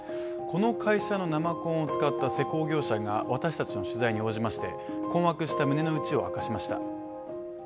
この会社の生コンを使った施工業者が私達の取材に応じまして、困惑した胸の内を明かしました。